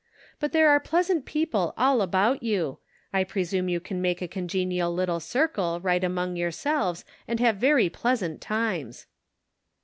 But there are pleasant people all about you. I presume you can make a congenial little circle right among yourselves, and have very pleasant times."